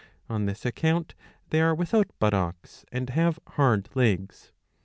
^'' On this account they are without buttocks and have hard legs.